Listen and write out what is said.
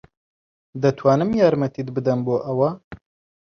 دەتوانم یارمەتیت بدەم بۆ ئەوە؟